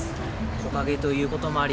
木陰ということもあり